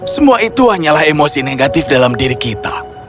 semua itu hanyalah emosi negatif dalam diri kita